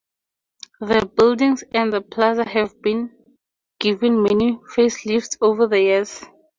The buildings and the plaza have been given many facelifts over the years.